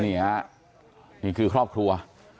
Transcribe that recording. นี่ฮะนี่คือครอบครัว